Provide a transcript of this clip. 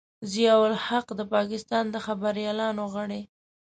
ضیا الحق د پاکستان د خبریالانو غړی.